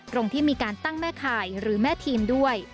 ตรงที่มีการตั้งแม่ข่ายหรือแม่ทีมด้วย